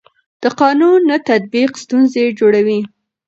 د قانون نه تطبیق ستونزې جوړوي